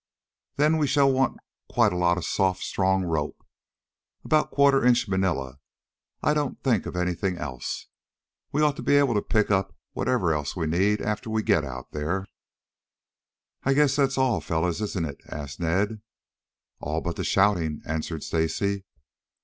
"Then we shall want quite a lot of soft, strong rope, about quarter inch Manila. I don't think of anything else. We ought to be able to pick up whatever else we need after we get out there " "I guess that's all, fellows, isn't it?" asked Ned. "All but the shouting," answered Stacy.